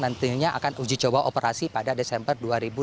nantinya akan uji coba operasi pada desember dua ribu dua puluh